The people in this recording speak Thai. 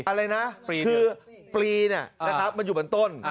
อะไรนะคือปรีนี่นะครับมันอยู่เหมือนต้น